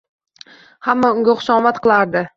Hamma unga hushomad qilardi.